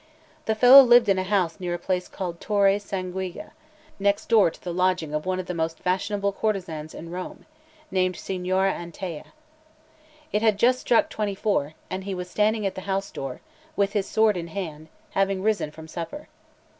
The fellow lived in a house near a place called Torre Sanguigua, next door to the lodging of one of the most fashionable courtesans in Rome, named Signora Antea. It had just struck twenty four, and he was standing at the house door, with his sword in hand, having risen from supper.